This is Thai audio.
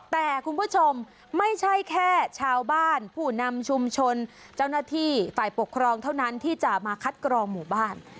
แต่คุณผู้ชมไม่ใช่แค่ชาวบ้านผู้นำชุมชนเจ้าหน้าที่ฝ่ายปกครองเท่านั้นที่จะมาคัดกรองหมู่บ้าน